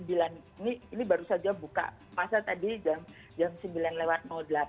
ini baru saja buka puasa tadi jam sembilan lewat delapan